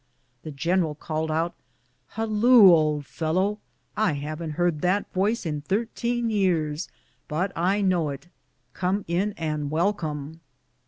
The general called out, " Halloo, old fellow ! I haven't heard that voice in thirteen years, but I know it. Come in and welcome!"